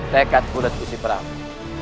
tekat bulat gusti prabu